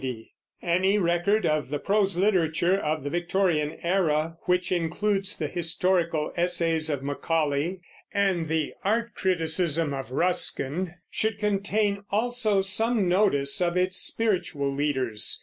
JOHN HENRY NEWMAN (1801 1890) Any record of the prose literature of the Victorian era, which includes the historical essays of Macaulay and the art criticism of Ruskin, should contain also some notice of its spiritual leaders.